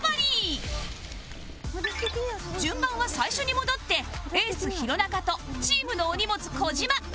順番は最初に戻ってエース弘中とチームのお荷物児嶋